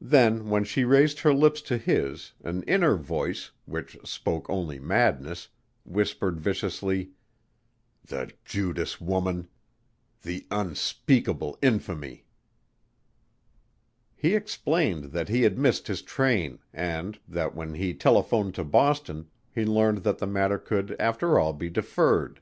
Then when she raised her lips to his an inner voice, which spoke only madness, whispered viciously, "The Judas woman! The unspeakable infamy!" He explained that he had missed his train, and that when he telephoned to Boston, he learned that the matter could after all be deferred.